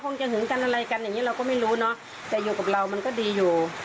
มายืนด้านนั้นมาเมื่อกี้เนี่ยดีอยู่